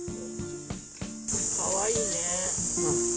かわいいね。